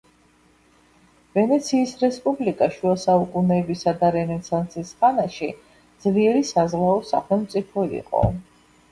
ვენეციის რესპუბლიკა შუა საუკუნეებისა და რენესანსის ხანაში ძლიერი საზღვაო სახელმწიფო იყო.